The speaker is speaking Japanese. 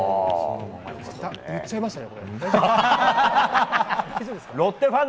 言っちゃいましたね。